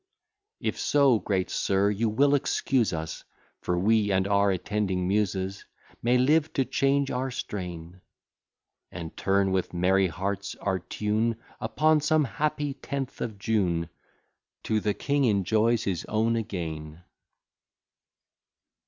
If so, great sir, you will excuse us, For we and our attending Muses May live to change our strain; And turn, with merry hearts, our tune, Upon some happy tenth of June, To "the king enjoys his own again."